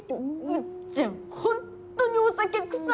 むっちゃんホントにお酒臭い！